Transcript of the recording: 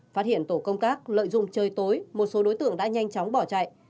phát hiện tổ công tác lợi dụng trời tối một số đối tượng đã nhanh chóng bỏ chạy